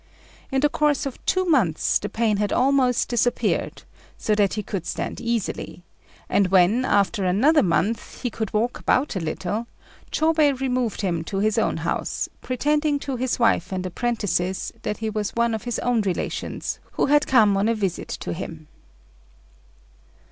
In the course of two months the pain had almost disappeared, so that he could stand easily; and when, after another month, he could walk about a little, Chôbei removed him to his own house, pretending to his wife and apprentices that he was one of his own relations who had come on a visit to him.